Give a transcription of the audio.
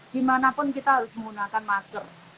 dimanapun kita harus menggunakan masker